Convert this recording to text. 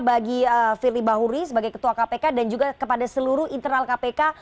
bagi firly bahuri sebagai ketua kpk dan juga kepada seluruh internal kpk